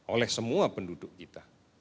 oleh semua penduduk kita